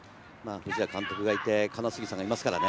藤屋監督がいて、金杉さんがいますからね。